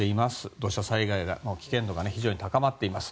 土砂災害の危険度が非常に高まっています。